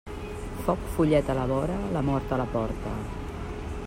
Foc follet a la vora, la mort a la porta.